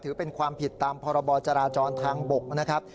ถือเป็นความผิดตามพรบจราจรทางบกนะครับ